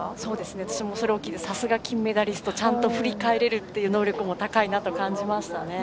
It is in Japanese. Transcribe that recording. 私もそれを聞いてさすが金メダリストちゃんと振り返れる能力も高いなと感じました。